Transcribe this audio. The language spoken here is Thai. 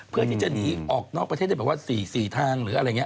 เพื่อที่จะหนีออกนอกประเทศได้แบบว่า๔ทางหรืออะไรอย่างนี้